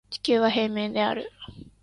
地球は平面である